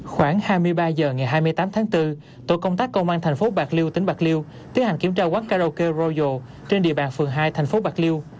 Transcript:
khoảng hai mươi ba h ngày hai mươi tám tháng bốn tổ công tác công an thành phố bạc liêu tỉnh bạc liêu tiến hành kiểm tra quán karaoke rojial trên địa bàn phường hai thành phố bạc liêu